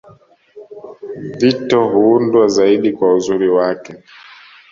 Vito huundwa zaidi kwa uzuri wake